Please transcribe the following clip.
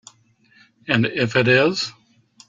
And if it is?